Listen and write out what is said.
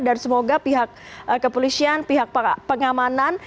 dan semoga pihak kepolisian pihak pengamanan